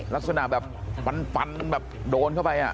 ลักษณะแบบฟันแบบโดนเข้าไป